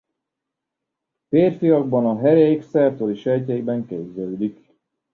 Férfiakban a herék Sertoli-sejtjeiben képződik.